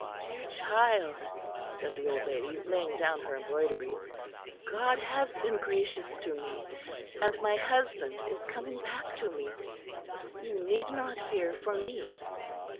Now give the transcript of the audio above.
"Dear child," said the old lady, laying down her embroidery, "God has been gracious to me; and my husband is coming back to me; you need not fear for me."